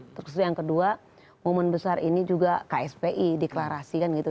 terus yang kedua momen besar ini juga kspi deklarasi kan gitu